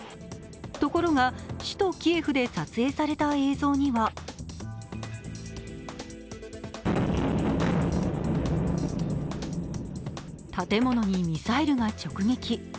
ところが、首都キエフで撮影された映像には建物にミサイルが直撃。